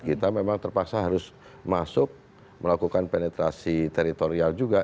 kita memang terpaksa harus masuk melakukan penetrasi teritorial juga